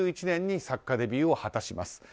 １９６１年に作家デビューを果たします。